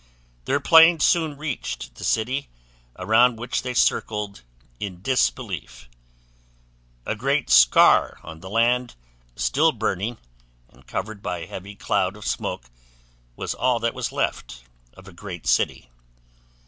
Their plane soon reached the city, around which they circled in disbelief. A great scar on the land, still burning, and covered by a heavy cloud of smoke, was all that was left of a great city.